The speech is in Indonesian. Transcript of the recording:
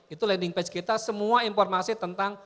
itu landing page kita semua informasi tentang